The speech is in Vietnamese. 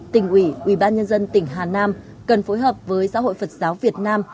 tỉnh ủy ubnd tỉnh hà nam cần phối hợp với giáo hội phật giáo việt nam